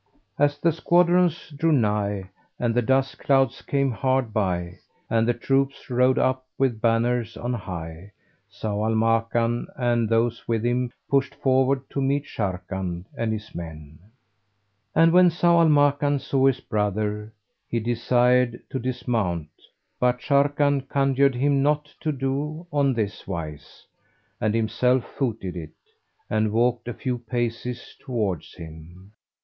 As the squadrons drew nigh and the dust clouds came hard by and the troops rode up with banners on high, Zau al Makan and those with him pushed forward to meet Sharrkan and his men; and when Zau al Makan saw his brother, he desired to dismount, but Sharrkan conjured him not to do on this wise, and himself footed it, and walked a few paces towards him.